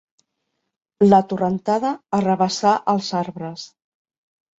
La torrentada arrabassà els arbres.